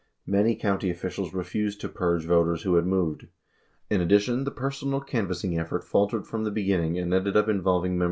Many county officials refused to "purge" voters who had moved. 79 In addition, the personal canvassing effort faltered from the beginning and ended up involving members of the American Nazi Party.